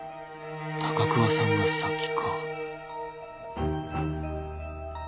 高桑さんが先か？］